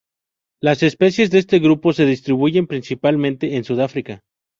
Las especies de este grupo se distribuyen principalmente en Sudáfrica.